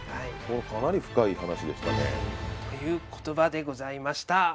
かなり深い話でしたね。というコトバでございました。